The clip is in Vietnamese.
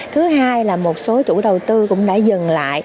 thứ hai là một số chủ đầu tư cũng đã dừng lại